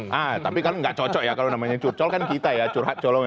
nah tapi kan nggak cocok ya kalau namanya curcol kan kita ya curhat colong ya